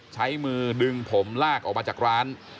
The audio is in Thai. ใช้มือดึงผมลากออกมาจากร้าน